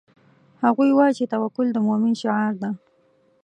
هغوی وایي چې توکل د مومن شعار ده